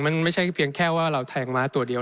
มันไม่ใช่เพียงแค่ว่าเราแทงม้าตัวเดียว